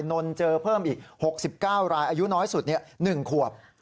นนเจอเพิ่มอีก๖๙รายอายุน้อยสุด๑ขวบ